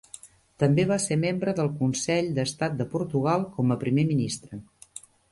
També va ser membre del Consell d'Estat de Portugal com a primer ministre.